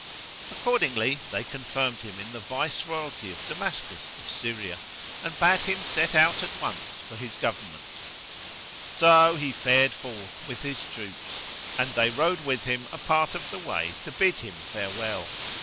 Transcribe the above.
Accordingly, they confirmed him in the vice royalty of Damascus of Syria, and bade him set out at once for his government; so he fared forth with his troops and they rode with him a part of the way to bid him farewell.